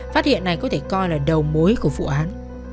phát hiện này có thể coi là đầu mối của vụ án